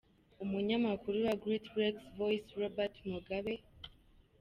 Umunyamakuru wa Great Lakes Voice, Robert Mugabe